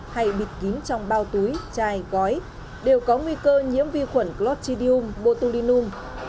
hay bịt kín trong bao túi chai gói đều có nguy cơ nhiễm vi khuẩn clotchidum botulinum